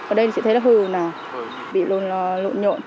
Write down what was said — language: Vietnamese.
ở đây thì sẽ thấy là hừu nè bị luôn là lộn nhộn